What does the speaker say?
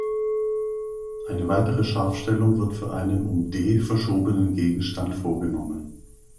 Eine weitere Scharfstellung wird für einen um "d" verschobenen Gegenstand vorgenommen.